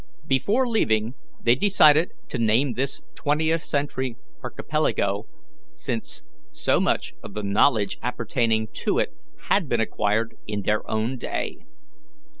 Before leaving, they decided to name this Twentieth Century Archipelago, since so much of the knowledge appertaining to it had been acquired in their own day.